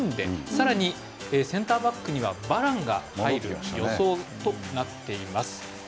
さらにセンターバックにはバランが入る予想となっています。